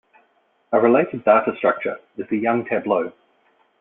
A related data structure is the Young tableau.